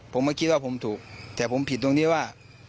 ผมไม่คิดว่าผมถูกแต่ผมผิดตรงที่ว่า